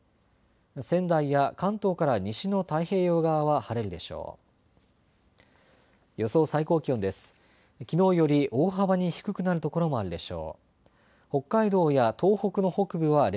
仙台や関東から西の太平洋側は晴れるでしょう。